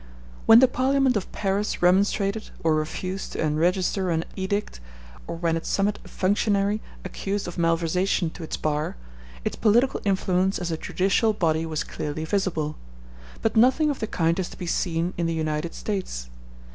When the Parliament of Paris remonstrated, or refused to enregister an edict, or when it summoned a functionary accused of malversation to its bar, its political influence as a judicial body was clearly visible; but nothing of the kind is to be seen in the United States.